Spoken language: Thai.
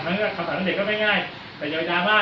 คำถามตอนเด็กก็ไม่ง่ายแต่อย่าบ้านะครับ